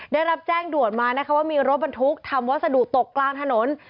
ได้รับแจ้งด่วนมานะคะว่ามีรถบรรทุกทำวัสดุตกกลางถนน